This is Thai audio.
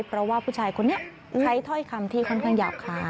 เพราะว่าผู้ชายคนนี้ใช้ถ้อยคำที่ค่อนข้างหยาบคาย